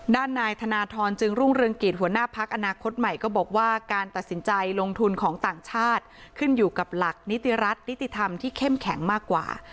ด้านนายธนทรจึงรุ่งเรืองกิจหัวหน้าพักอนาคตใหม่ก็บอกว่าการตัดสินใจลงทุนของต่างชาติขึ้นอยู่กับหลักนิติรัฐนิติธรรมที่เข้มแข็งมากกว่า